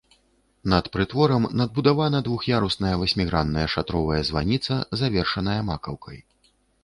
Над прытворам надбудавана двух'ярусная васьмігранная шатровая званіца, завершаная макаўкай.